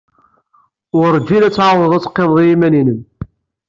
Werjin ad tɛawdeḍ ad teqqimeḍ i yiman-nnem.